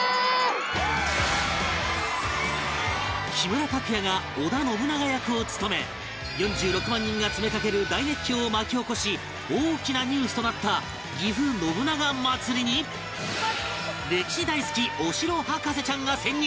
木村拓哉が織田信長役を務め４６万人が詰めかける大熱狂を巻き起こし大きなニュースとなったぎふ信長まつりに歴史大好きお城博士ちゃんが潜入！